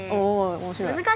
お面白い。